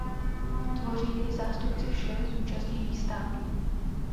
Tvoří jej zástupci všech zúčastněných států.